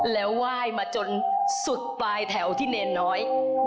แล้วไหว้มาจนสุดปลายแถวที่เนรน้อย